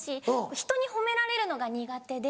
人に褒められるのが苦手で。